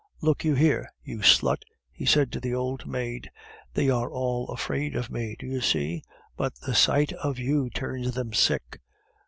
Look you here, you slut," he said to the old maid, "they are all afraid of me, do you see? but the sight of you turns them sick.